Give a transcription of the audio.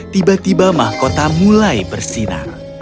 tiba tiba mahkota mulai bersinar